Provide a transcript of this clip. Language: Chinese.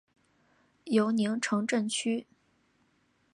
尤宁城镇区。